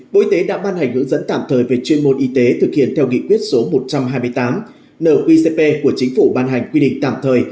bộ y tế đã ban hành hướng dẫn tạm thời về chuyên môn y tế thực hiện theo nghị quyết số một trăm hai mươi tám nqcp của chính phủ ban hành quy định tạm thời